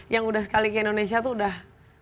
yang udah sekali ke indonesia tuh udah